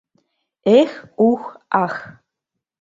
Эх, ух, ах —